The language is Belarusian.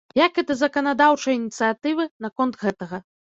Як і да заканадаўчай ініцыятывы наконт гэтага.